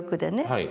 はい。